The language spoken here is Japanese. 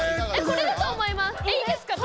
これだと思います！